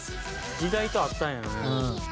「時代と合ったんやろうね」